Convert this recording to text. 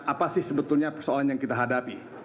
apa sih sebetulnya persoalan yang kita hadapi